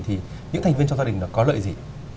thì những thành viên trong gia đình nó có lợi gì